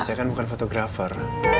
saya kan bukan fotografer